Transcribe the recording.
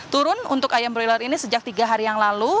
turun untuk ayam broiler ini sejak tiga hari yang lalu